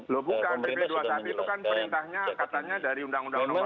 loh bukan pp dua puluh satu itu kan perintahnya katanya dari undang undang nomor satu